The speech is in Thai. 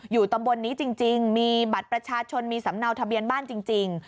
ตำบลนี้จริงมีบัตรประชาชนมีสำเนาทะเบียนบ้านจริง